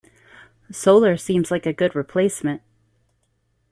Solar seems like a good replacement.